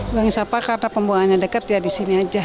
buang sampah karena pembuangannya dekat ya di sini aja